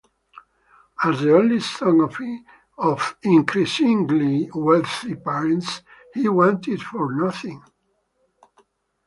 As the only son of increasingly wealthy parents he wanted for nothing.